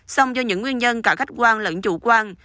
song do những nguyên nhân cả khách quan lẫn chủ quan